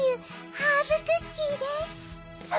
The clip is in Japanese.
ハーブクッキーです。